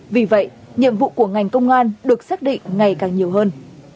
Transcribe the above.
vì vậy nhiệm vụ của ngành công an được xác định ngày càng nhiều hơn